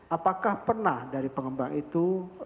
apakah pernah dari pengembang itu